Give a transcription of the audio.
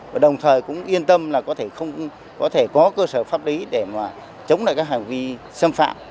và đồng thời cũng yên tâm là có thể có cơ sở pháp lý để mà chống lại các hành vi xâm phạm